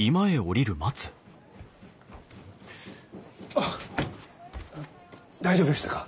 あっ大丈夫でしたか？